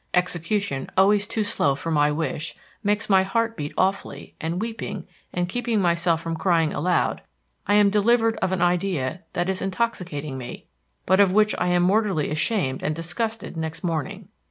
Execution, always too slow for my wish, makes my heart beat awfully, and weeping, and keeping myself from crying aloud, I am delivered of an idea that is intoxicating me, but of which I am mortally ashamed and disgusted next morning.